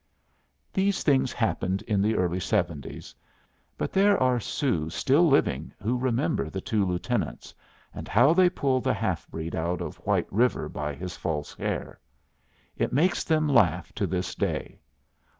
These things happened in the early seventies; but there are Sioux still living who remember the two lieutenants, and how they pulled the half breed out of White River by his false hair. It makes them laugh to this day.